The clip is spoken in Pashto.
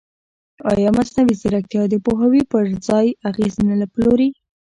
ایا مصنوعي ځیرکتیا د پوهاوي پر ځای اغېز نه پلوري؟